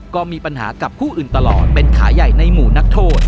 ก็มีปัญหากับผู้อื่นตลอดเป็นขาใหญ่ในหมู่นักโทษ